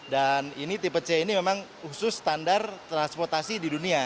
dan ini tipe c ini memang khusus standar transportasi di dunia